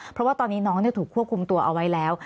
เพราะว่าตอนนี้น้องถูกควบคุมตัวเอาไว้แล้ว